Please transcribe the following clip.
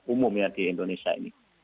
umumnya di indonesia ini